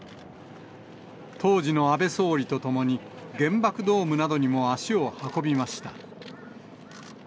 当時の安倍総理と共に、原爆ドームなどにも足を運びました。